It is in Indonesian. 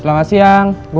selamat siang bu